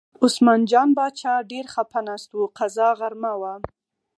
عثمان جان باچا ډېر خپه ناست و، قضا غرمه وه.